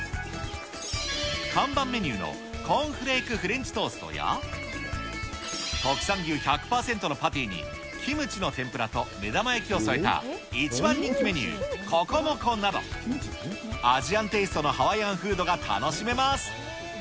看板メニューのコーンフレークフレンチトーストや、国産牛１００％のパティにキムチの天ぷらと目玉焼きを添えた一番人気メニュー、ココモコなど、アジアンテイストのハワイアンフードが楽しめます。